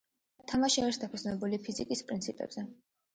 თამაში არის დაფუძნებული ფიზიკის პრინციპებზე.